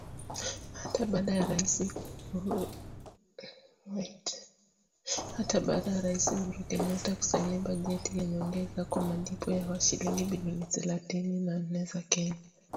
Hata baada ya Rais Uhuru Kenyatta kusaini bajeti ya nyongeza kwa malipo ya shilingi bilioni thelathini na nne za Kenya